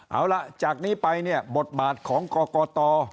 เอาล่ะจากนี้ไปเนี่ยบทบาทของกรกต